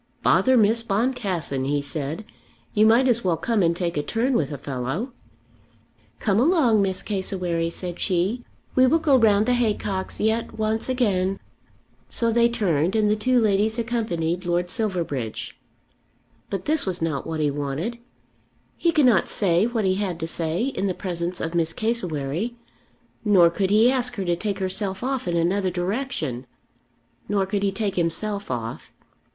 "Bother Miss Boncassen," he said; "you might as well come and take a turn with a fellow." "Come along, Miss Cassewary," said she. "We will go round the haycocks yet once again." So they turned and the two ladies accompanied Lord Silverbridge. But this was not what he wanted. He could not say what he had to say in the presence of Miss Cassewary, nor could he ask her to take herself off in another direction. Nor could he take himself off.